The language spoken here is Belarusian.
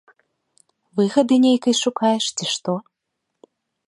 Выгады нейкай шукаеш, ці што?